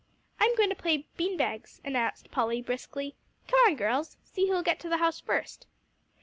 "I'm going to play bean bags," announced Polly briskly. "Come on, girls. See who'll get to the house first."